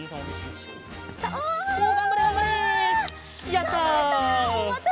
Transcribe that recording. やった！